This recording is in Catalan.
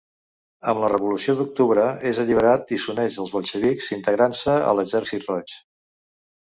Amb la Revolució d'octubre és alliberat i s'uneix als bolxevics, integrant-se a l'Exèrcit Roig.